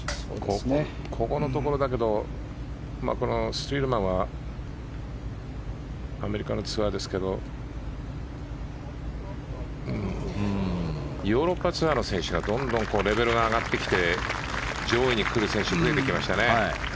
ここのところストリールマンはアメリカのツアーですけどヨーロッパツアーの選手がどんどんレベルが上がってきて上位にくる選手が増えてきましたね。